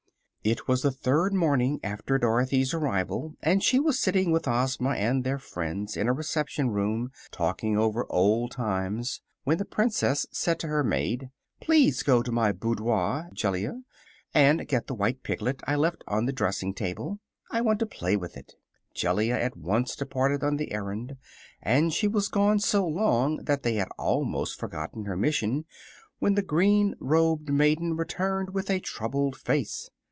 It was the third morning after Dorothy's arrival, and she was sitting with Ozma and their friends in a reception room, talking over old times, when the Princess said to her maid: "Please go to my boudoir, Jellia, and get the white piglet I left on the dressing table. I want to play with it." Jellia at once departed on the errand, and she was gone so long that they had almost forgotten her mission when the green robed maiden returned with a troubled face.